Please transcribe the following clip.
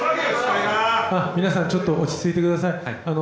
皆さん、ちょっと落ち着いてください。